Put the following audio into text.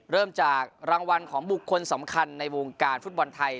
เริ่มจากรางวัลของบุคคลสำคัญในวงการฟุตบอลไทย